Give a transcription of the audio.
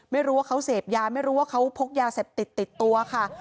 ไม่รู้ว่าเขาเสพยาไม่รู้ว่าเขาพกยาเสพติดติดตัวค่ะ